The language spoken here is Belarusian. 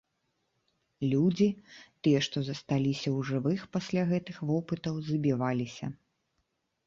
Людзі, тыя, што засталіся ў жывых пасля гэтых вопытаў, забіваліся.